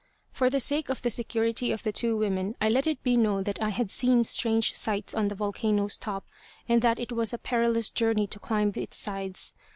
For the sake of the security of the two women I let it be known that I had seen strange sights on the volcano's top, and that it was a perilous journey to climb its sides.